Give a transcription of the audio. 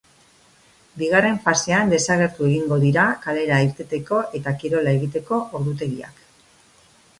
Bigarren fasean desagertu egingo dira kalera irteteko eta kirola egiteko ordutegiak.